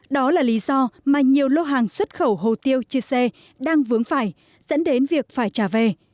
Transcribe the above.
đó là lý do mà nhiều lô hàng xuất khẩu hồ tiêu chư sê đang vướng phải dẫn đến việc phải trả về